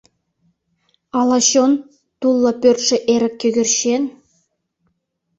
Ала чон — тулла пӧрдшӧ эрык кӧгӧрчен?